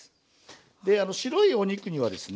で白いお肉にはですね